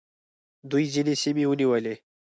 دوی ځینې سیمې ونیولې